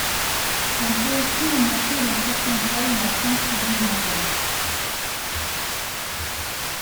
On peut aussi remarquer dans certains cas une absence du menton.